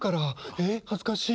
えっはずかしい。